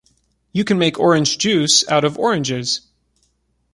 You can make orange juice out of oranges.